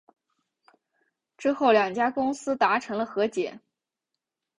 之后两家公司达成了和解。